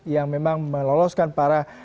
yang memang meloloskan para